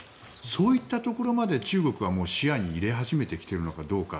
そういったところまで中国は視野に入れ始めてきているのかどうか。